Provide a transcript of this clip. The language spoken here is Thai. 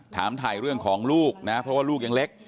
ถามถ่ายเรื่องของลูกนะเพราะว่าลูกยังเล็ก